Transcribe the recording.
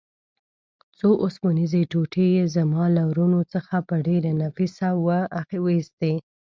څو اوسپنیزې ټوټې یې زما له ورنو څخه په ډېره نفیسه وه ایستې.